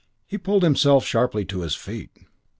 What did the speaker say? He pulled himself sharply to his feet.